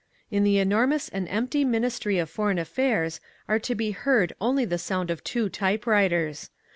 "In the enormous and empty Ministry of Foreign Affairs are to be heard only the sound of two typewriters.